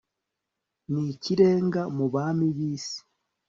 n'ikirenga mu bami b'isi